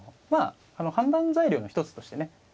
まあ判断材料の一つとしてね